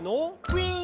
「ウィン！」